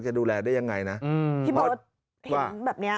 จะดูแลได้ยังไงนะอืมพี่เบิร์ตเห็นแบบเนี้ย